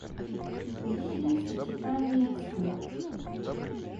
Ищи сочетания слов.